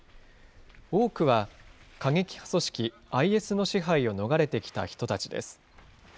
多くは、過激派組織ＩＳの支配を逃れてきた人たちです。